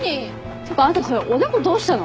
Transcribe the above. ていうかあんたそれおでこどうしたの？